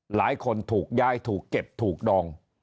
หลายคนถูกย้ายถูกเก็บถูกดอง